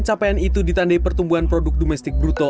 capaian itu ditandai pertumbuhan produk domestik bruto